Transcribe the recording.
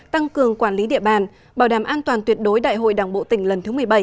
tăng cường quản lý địa bàn bảo đảm an toàn tuyệt đối đại hội đảng bộ tỉnh lần thứ một mươi bảy